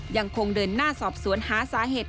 ยังคงเดินหน้าสอบสวนหาสาเหตุ